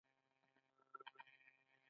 ایا خوب کې غاښونه چیچئ؟